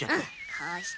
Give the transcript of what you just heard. こうしてね。